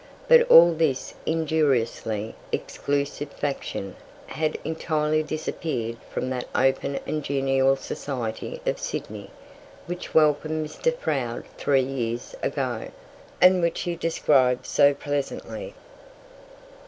But all this injuriously exclusive faction had entirely disappeared from that open and genial society of Sydney which welcomed Mr. Froude three years ago, and which he describes so pleasantly.